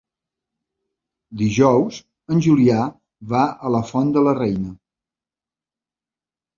Dijous en Julià va a la Font de la Reina.